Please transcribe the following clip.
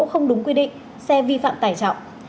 không đúng quy định xe vi phạm tải trọng